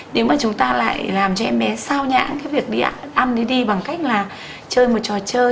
nếu mà chúng ta lại làm cho em bé sao nhãn cái việc điện ăn đi bằng cách là chơi một trò chơi